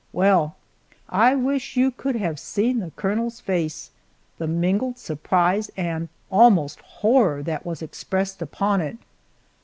Well, I wish you could have seen the colonel's face the mingled surprise and almost horror that was expressed upon it.